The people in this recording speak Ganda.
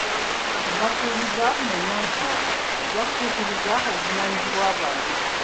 Mbasuubiza mwenna nti njakutuukiriza obuvunanyizibwa bwange.